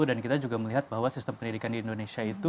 dan kita juga melihat bahwa sistem pendidikan di indonesia itu